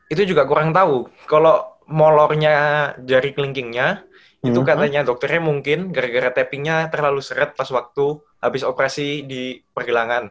itu juga kurang tau kalo molornya jari kelingkingnya itu katanya dokternya mungkin gara gara tappingnya terlalu seret pas waktu abis operasi di pergelangan